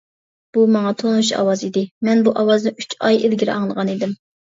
بۇ ماڭا تونۇش ئاۋاز ئىدى، مەن بۇ ئاۋازنى ئۇچ ئاي ئىلگىرى ئاڭلىغان ئىدىم.